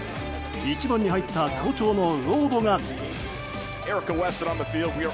１番に入った好調のウォードが。